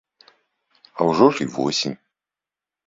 А ўжо ж і восень.